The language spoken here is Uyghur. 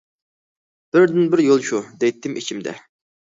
« بىردىنبىر يول شۇ!» دەيتتىم ئىچىمدە.